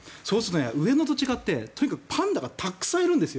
上野と違ってパンダがたくさんいるんですよ。